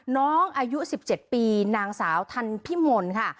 น้องอายุ๑๗ปีนางสาวทันพิมลค่ะ